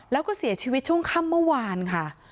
แล้วก็เสียชีวิตช่วงค่ำเมื่อวานค่ะ